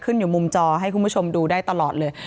อยู่มุมจอให้คุณผู้ชมดูได้ตลอดเลย